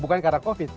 bukan karena covid